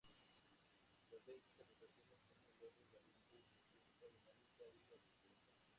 Las veinte interpretaciones tienen leves variantes de "tempo", dinámica y articulación.